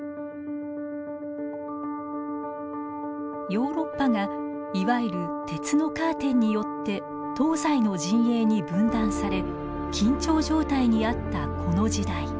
ヨーロッパがいわゆる鉄のカーテンによって東西の陣営に分断され緊張状態にあったこの時代。